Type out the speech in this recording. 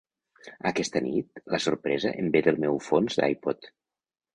Aquesta nit la sorpresa em ve del meu fons d'ipod.